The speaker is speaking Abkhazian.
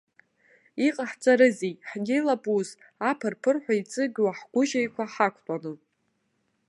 Иҟаҳҵарызеи, ҳнеилап ус, аԥырԥырҳәа иҵыгьуа ҳгәыжь еиқәа ҳақәтәаны.